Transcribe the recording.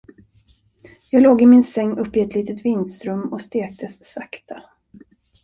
Jag låg i min säng uppe i ett litet vindsrum och stektes sakta.